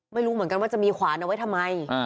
ไม่รู้เหมือนกันว่าจะมีขวานเอาไว้ทำไม